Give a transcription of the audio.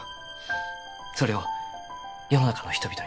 それを世の中の人々に伝えたい。